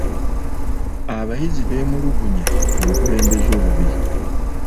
Abayizi beemulugunya ku bukulembeze obubi.